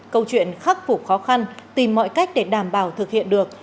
câu chuyện khắc phục khó khăn tìm mọi cách để đảm bảo thực hiện được